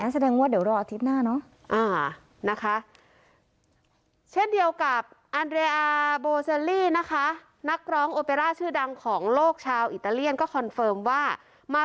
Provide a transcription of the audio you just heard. แสดงว่าเดี๋ยวรออาทิตย์หน้าเนอะนะคะ